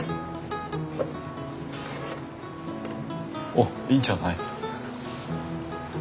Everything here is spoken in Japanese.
おっいいんじゃない。